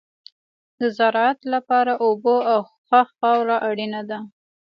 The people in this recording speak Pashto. د زراعت لپاره اوبه او ښه خاوره اړینه ده.